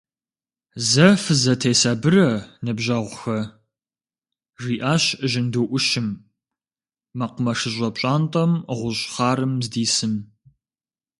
Зэ фызэтесабырэ, ныбжьэгъухэ! – жиӏащ жьынду ӏущым, мэкъумэшыщӏэ пщӏантӏэм гъущӏ хъарым здисым.